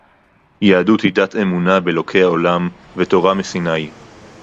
יהדות היא דת אמונה באלוקי עולם ותורה מסיני